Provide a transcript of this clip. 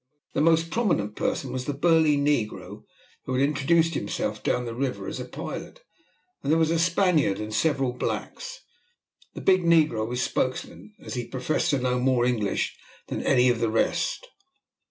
The most prominent person was the burly negro who had introduced himself down the river as a pilot, and there was a Spaniard and several blacks. The big negro was spokesman, as he professed to know more English than any of the rest.